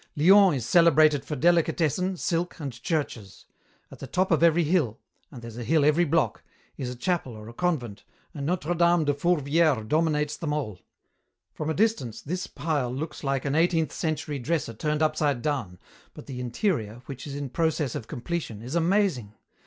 "Lyons is celebrated for delicatessen, silk, and churches. At the top of every hill and there's a hill every block is a chapel or a convent, and Notre Dame de Fourvière dominates them all. From a distance this pile looks like an eighteenth century dresser turned upside down, but the interior, which is in process of completion, is amazing.